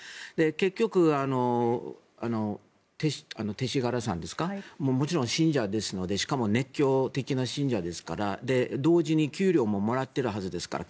結局、勅使河原さんですかもちろん信者ですのでしかも熱狂的な信者ですから同時に給料ももらってるはずですから。